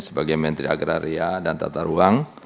sebagai menteri agraria dan tata ruang